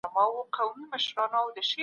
د قانون درناوی د پرمختګ شرط دی.